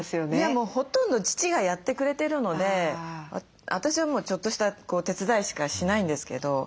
もうほとんど父がやってくれてるので私はもうちょっとした手伝いしかしないんですけど。